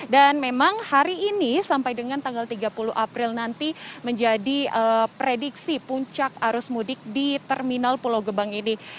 dan memang hari ini sampai dengan tanggal tiga puluh april nanti menjadi prediksi puncak arus mudik di terminal pulau gebang ini